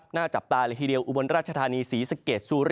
หน้าจับตาอุบรรชธานีศรีสะเกช